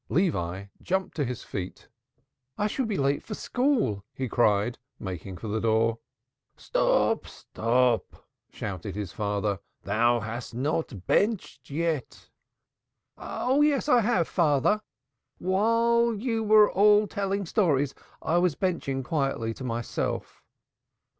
Levi jumped to his feet. "I shall be late for school!" he cried, making for the door. "Stop! stop!" shouted his father. "Thou hast not yet said grace." "Oh, yes, I have, father. While you were all telling stories I was benshing quietly to myself."